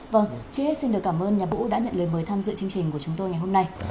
vâng chị hãy xin được cảm ơn nhà vũ đã nhận lời mời tham dự chương trình của chúng tôi ngày hôm nay